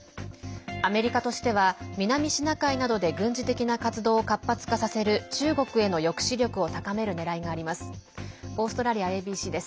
アメリカとしては南シナ海などで軍事的な活動を活発化させる中国への抑止力を高めるねらいがあります。